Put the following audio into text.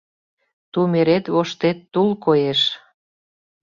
Тумерет воштет тул коеш.